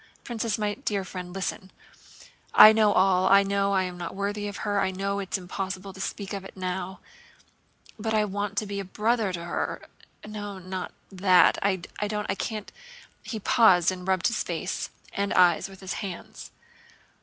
Princess, my dear friend, listen! I know it all. I know I am not worthy of her, I know it's impossible to speak of it now. But I want to be a brother to her. No, not that, I don't, I can't..." He paused and rubbed his face and eyes with his hands.